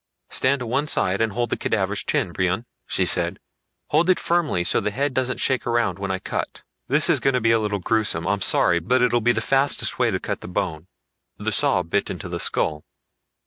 "Stand to one side and hold the cadaver's chin, Brion," she said. "Hold it firmly so the head doesn't shake around when I cut. This is going to be a little gruesome. I'm sorry. But it'll be the fastest way to cut the bone." The saw bit into the skull.